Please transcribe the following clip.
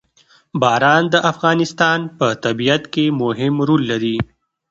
باران د افغانستان په طبیعت کې مهم رول لري.